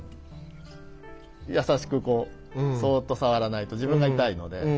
優しくこうそっとさわらないと自分が痛いので。